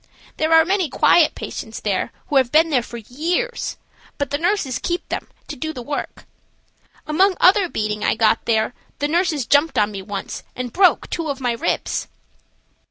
There are many quiet patients there who have been there for years, but the nurses keep them to do the work. Among other beating I got there, the nurses jumped on me once and broke two of my ribs.